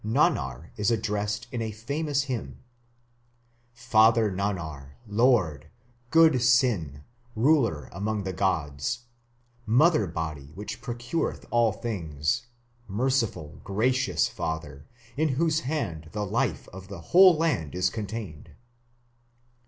Nannar is addressed in a famous hymn: Father Nannar, Lord, God Sin, ruler among the gods.... Mother body which produceth all things.... Merciful, gracious Father, in whose hand the life of the whole land is contained.